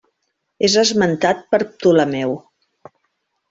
És esmentat per Ptolemeu.